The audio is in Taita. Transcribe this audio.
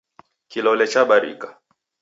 Kilole chabarika.